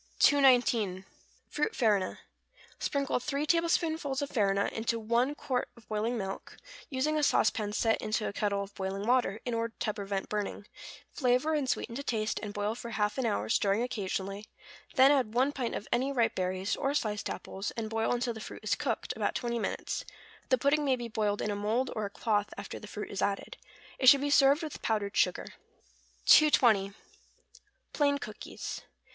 219. =Fruit Farina.= Sprinkle three tablespoonfuls of farina into one quart of boiling milk, using a sauce pan set into a kettle of boiling water, in order to prevent burning; flavor and sweeten to taste, and boil for half an hour, stirring occasionally; then add one pint of any ripe berries, or sliced apples, and boil until the fruit is cooked, about twenty minutes: the pudding may be boiled in a mould or a cloth after the fruit is added. It should be served with powdered sugar. 220. =Plain Cookies.